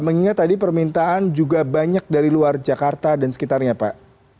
mengingat tadi permintaan juga banyak dari luar jakarta dan sekitarnya pak